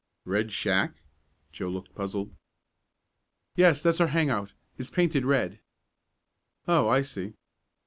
"Red Shack?" Joe looked puzzled. "Yes, that's our hang out. It's painted red." "Oh, I see."